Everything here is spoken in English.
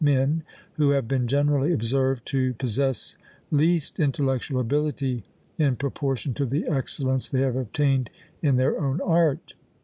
men, who have been generally observed to possess least intellectual ability in proportion to the excellence they have obtained in their own art.